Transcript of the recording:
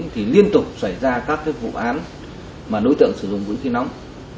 thì liên tục xảy ra các vụ án mà đối tượng sử dụng vũ khí nóng